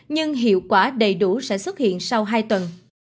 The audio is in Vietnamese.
nhưng hiệu quả đầy đủ sẽ xuất hiện sau hai tuần